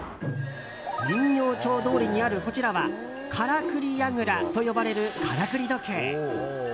人形町通りにあるこちらはからくり櫓と呼ばれるからくり時計。